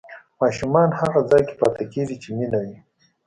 ماشومان هغه ځای کې پاتې کېږي چې مینه وي.